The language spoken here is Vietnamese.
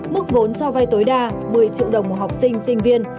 mức vốn cho vay tối đa một mươi triệu đồng một học sinh sinh viên